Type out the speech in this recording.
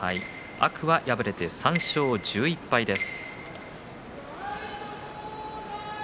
天空海、敗れて３勝１１敗です。